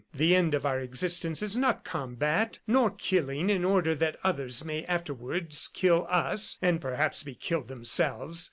The end of our existence is not combat nor killing in order that others may afterwards kill us, and, perhaps, be killed themselves.